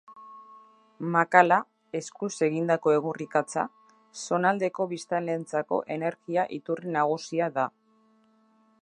Makala, eskuz egindako egur-ikatza, zonaldeko biztanleentzako energia iturri nagusia da.